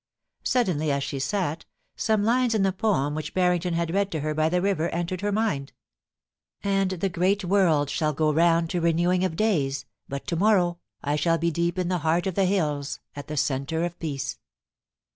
Suddenly as she sat, some lines in the poem which Har rington had read to her by the river entered her mind :* And the great world shall go round to renewing of days ; but to morrow I shall be deep in the heart of the hills, at the centre of peace.'